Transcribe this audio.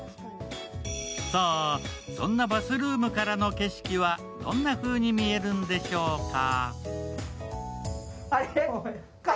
さあ、そんなバスルームからの景色はどんなふうに見えるんでしょうか。